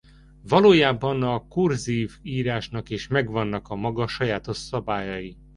Valójában a kurzív írásnak is megvannak a maga a sajátos szabályai.